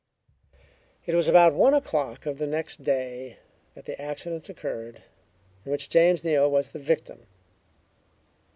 It was about one o'clock of the next day that the accident occurred of which James Neal was the victim.